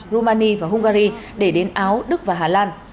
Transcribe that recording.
rumani và hungary để đến áo đức và hà lan